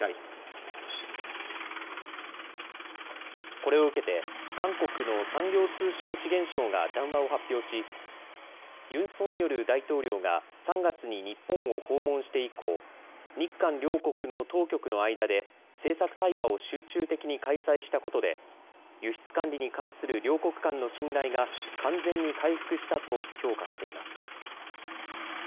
これを受けて韓国の産業通商資源省が談話を発表しユン・ソンニョル大統領が３月に日本を訪問して以降、日韓両国の当局の間で政策対話を集中的に開催したことで輸出管理に関する両国間の信頼が完全に回復したと評価しています。